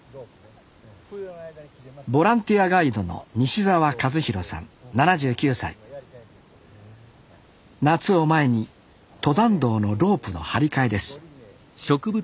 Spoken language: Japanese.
ボランティアガイドの夏を前に登山道のロープの張り替えです